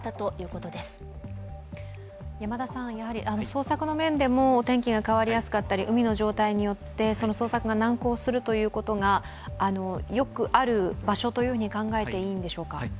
捜索の面でも天気が変わりやすかったり海の状態によって捜索が難航するということがよくある場所と考えていいんでしょうか？